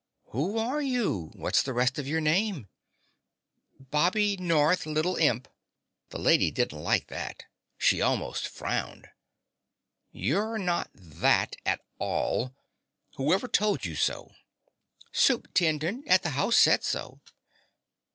"Who are you? What's the rest of your name?" "Bobby North, little imp." The lady didn't like that: she almost frowned. "You're not that at all. Who ever told you so?" "Supe'tendent at the Home said so."